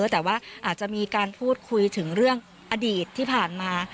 แต่ว่าอาจจะมีการพูดคุยถึงเรื่องอดีตที่ผ่านมา